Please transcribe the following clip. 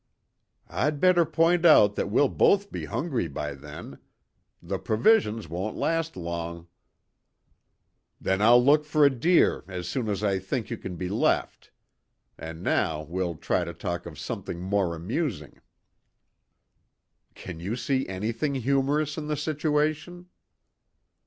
"I'd better point out that we'll both be hungry by then. The provisions won't last long." "Then I'll look for a deer as soon as I think you can be left. And now we'll try to talk of something more amusing." "Can you see anything humorous in the situation?"